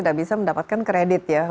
tidak bisa mendapatkan kredit ya